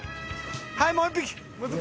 はいもう１匹。